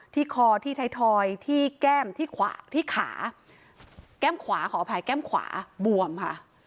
คอที่ไทยทอยที่แก้มที่ขวาที่ขาแก้มขวาขออภัยแก้มขวาบวมค่ะ